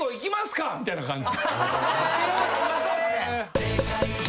みたいな感じ。